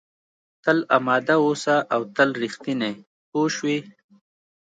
تل اماده اوسه او تل رښتینی پوه شوې!.